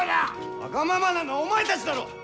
わがままなのはお前たちだろう！